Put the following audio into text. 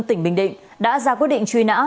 tỉnh bình định đã ra quyết định truy nã